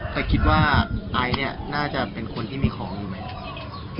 แต่คิดว่าไอซ์เนี่ยน่าจะเป็นคนที่มีของอยู่ไหม